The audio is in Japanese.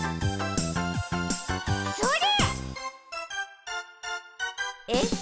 それ！